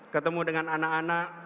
ketemu dengan anak anak